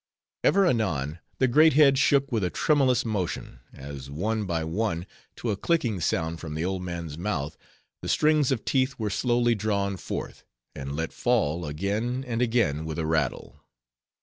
Ever and anon, the great head shook with a tremulous motion, as one by one, to a clicking sound from the old man's mouth, the strings of teeth were slowly drawn forth, and let fall, again and again, with a rattle.